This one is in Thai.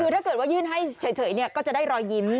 คือถ้าเกิดว่ายื่นให้เฉยก็จะได้รอยยิ้ม